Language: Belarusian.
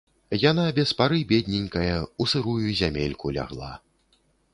Яна без пары, бедненькая, у сырую зямельку лягла.